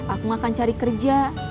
aku akan cari kerja